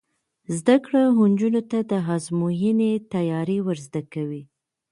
زده کړه نجونو ته د ازموینې تیاری ور زده کوي.